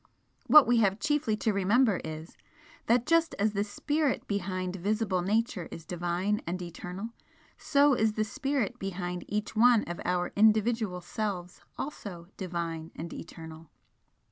What we have chiefly to remember is, that just as the Spirit behind visible Nature is Divine and eternal, so is the Spirit behind each one of our individual selves also Divine and eternal.